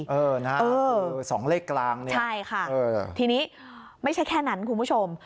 เออนะฮะคือ๒เลขกลางเนี่ยใช่ค่ะทีนี้ไม่ใช่แค่นั้นคุณผู้ชม